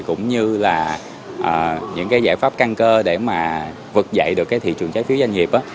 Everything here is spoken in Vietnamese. cũng như là những cái giải pháp căn cơ để mà vực dậy được cái thị trường trái phiếu doanh nghiệp